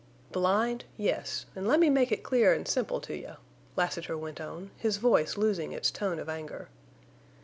"Blind—yes, en' let me make it clear en' simple to you," Lassiter went on, his voice losing its tone of anger.